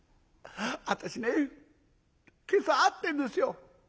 私ね今朝会ってんですよ。